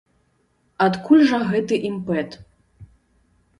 Адкуль жа гэты імпэт?